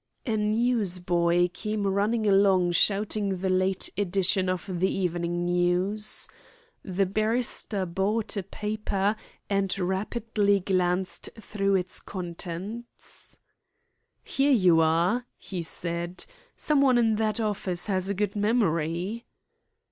A newsboy came running along shouting the late edition of the Evening News. The barrister bought a paper and rapidly glanced through its contents. "Here you are," he said. "Someone in that office has a good memory."